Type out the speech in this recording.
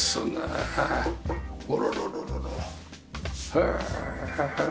へえ。